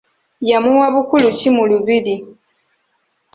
Yamuwa bukulu ki mu lubiri?